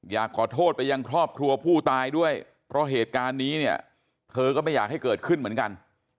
อยากขอโทษไปยังครอบครัวผู้ตายด้วยเพราะเหตุการณ์นี้เนี่ยเธอก็ไม่อยากให้เกิดขึ้นเหมือนกัน